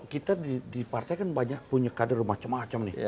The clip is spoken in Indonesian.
kita di partai kan banyak punya kader macam macam nih